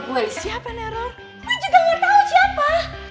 gue juga mau tau siapa